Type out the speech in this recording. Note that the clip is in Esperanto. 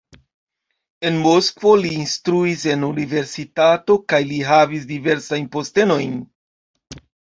En Moskvo li instruis en universitato kaj li havis diversajn postenojn.